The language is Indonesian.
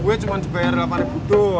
gue cuma dibayar delapan doang